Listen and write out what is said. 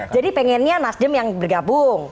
jadi pengennya nasdem yang bergabung